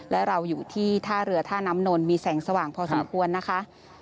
และเราอยู่ที่ท่าเรือท่าน้ำนนมีแสงสว่างพอสมควรนะคะ